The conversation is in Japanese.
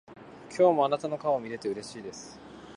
今日もあなたの顔を見れてうれしいです。